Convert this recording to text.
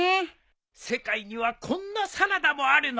世界にはこんなサラダもあるのか。